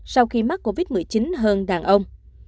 sau khi mắc covid một mươi chín hơn đàn ông